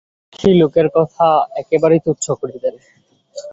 রাজলক্ষ্মী লোকের কথা একেবারেই তুচ্ছ করিতেন।